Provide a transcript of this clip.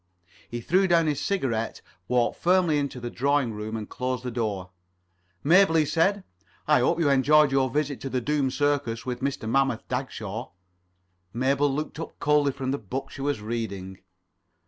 He threw down his cigarette, walked firmly into the drawing room, and closed the door. "Mabel," he said, [Pg 31]"I hope you enjoyed your visit to the Doom Circus with Mr. Mammoth Dagshaw." Mabel looked up coldly from the book she was reading.